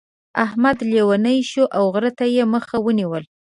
احمد لېونی شو او غره ته يې مخ ونيو.